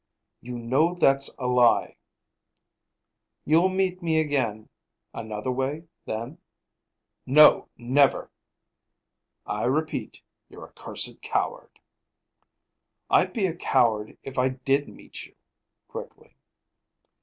"You know that's a lie." "You'll meet me again, another way, then?" "No, never!" "I repeat, you're a cursed coward." "I'd be a coward if I did meet you," quickly.